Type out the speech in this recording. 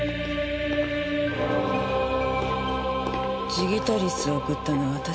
ジギタリスを贈ったのは私です。